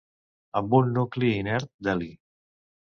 Amb un nucli inert d'heli.